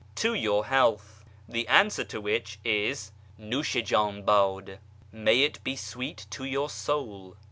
"(" To your health !"), the answer to which is " NiLsh i jdn hAd !"(" May it be sweet to your soul